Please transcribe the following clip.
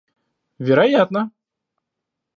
Вероятно!